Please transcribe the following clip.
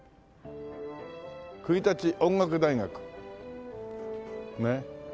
「国立音楽大学」ねえ。